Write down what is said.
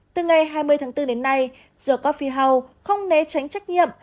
từ ngày hai mươi tháng bốn đến nay the coffee house không né tránh trách nhiệm